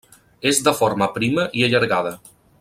És de forma prima i allargada.